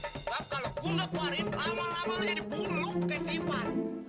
sebab kalau gua gak keluarin lama lama lu jadi bulu kayak simpan